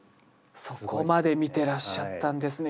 そこまで見てらっしゃったんですね。